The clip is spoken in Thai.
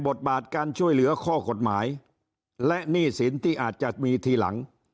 บทบาทการช่วยเหลือข้อกฎหมายและหนี้สินที่อาจจะมีทีหลัง